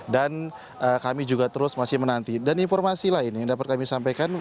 dan kami juga terus masih menanti dan informasi lain yang dapat kami sampaikan